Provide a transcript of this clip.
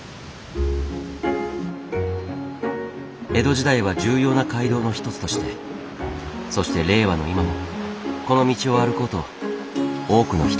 江戸時代は重要な街道の一つとしてそして令和の今もこの道を歩こうと多くの人がやって来る。